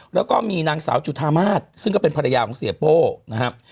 แล้วก็มีนางสาวจุธามาศซึ่งก็เป็นภรรยาของเสียโป้นะครับ